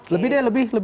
lebih deh lebih